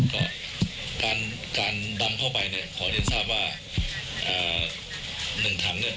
ก็การการดำเข้าไปเนี่ยขอเรียนทราบว่าหนึ่งถังเนี่ย